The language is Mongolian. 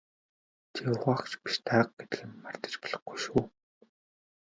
Чи угаагч биш дарга гэдгээ мартаж болохгүй шүү.